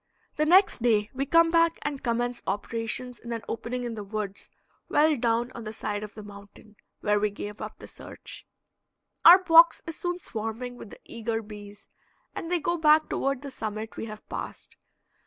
The next day we come back and commence operations in an opening in the woods well down on the side of the mountain, where we gave up the search. Our box is soon swarming with the eager bees, and they go back toward the summit we have passed.